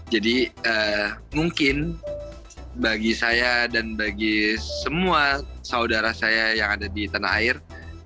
jadi mungkin bagi saya dan bagi semua saudara saya yang ada di tanah air